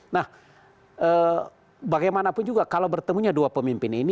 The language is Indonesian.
nah bagaimanapun juga kalau bertemunya dua pemimpin ini